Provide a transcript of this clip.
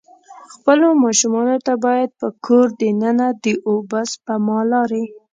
خپلو ماشومان ته باید په کور د ننه د اوبه سپما لارې.